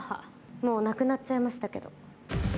もう亡くなっちゃいましたけど。